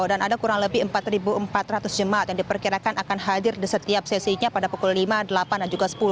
dan ada kurang lebih empat empat ratus jemaat yang diperkirakan akan hadir di setiap sesinya pada pukul lima delapan dan juga sepuluh